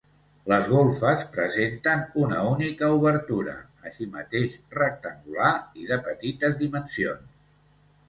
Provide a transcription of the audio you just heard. Les golfes presenten una única obertura, així mateix rectangular i de petites dimensions.